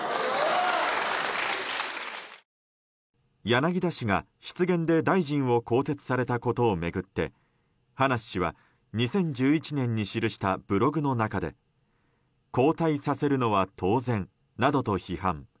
柳田氏が失言で大臣を更迭されたことを巡って葉梨氏は、２０１１年に記したブログの中で交代させるのは当然などと批判。